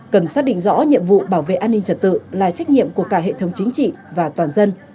cần xác định rõ nhiệm vụ bảo vệ an ninh trật tự là trách nhiệm của cả hệ thống chính trị và toàn dân